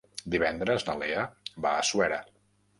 Divendres na Lea va a Suera.